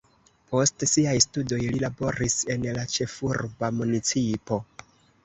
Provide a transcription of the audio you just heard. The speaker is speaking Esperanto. Post siaj studoj li laboris en la ĉefurba municipo.